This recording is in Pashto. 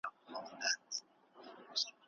حکومت د کرني د ودي لپاره نوي پروګرامونه پيل کړل.